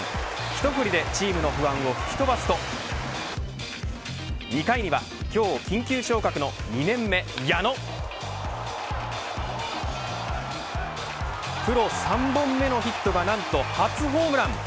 一振りでチームの不安を吹き飛ばすと２回には今日緊急昇格の２年目、矢野プロ３本目のヒットが何と、初ホームラン。